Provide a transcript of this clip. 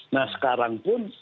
nah sekarang pun